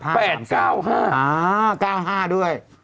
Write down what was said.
อ่า๙๕ด้วย